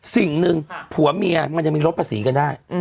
สิ่งหนึ่งผัวเมียมันยังมีลดภาษีกันได้